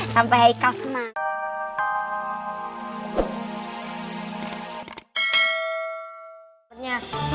sampai haikal senang